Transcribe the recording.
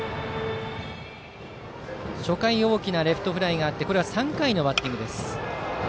初回、大きなレフトフライがあり３回のバッティングです。